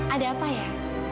ada apa ya